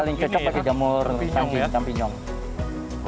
paling cocok pakai jamur campignon ya